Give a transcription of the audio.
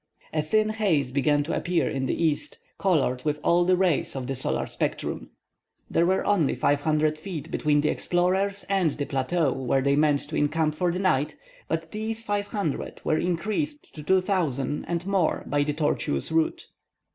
A thin haze began to appear in the east, colored with all the rays of the solar spectrum. There were only 500 feet between the explorers and the plateau where they meant to encamp for the night, but these 500 were increased to 2,000 and more by the tortuous route.